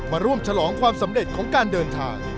มาร่วมฉลองความสำเร็จของการเดินทาง